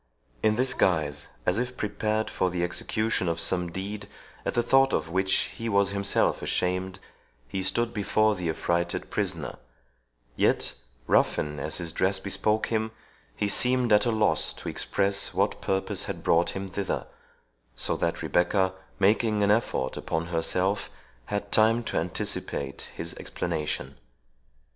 In this guise, as if prepared for the execution of some deed, at the thought of which he was himself ashamed, he stood before the affrighted prisoner; yet, ruffian as his dress bespoke him, he seemed at a loss to express what purpose had brought him thither, so that Rebecca, making an effort upon herself, had time to anticipate his explanation.